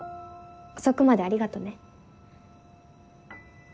遅くまでありがとね。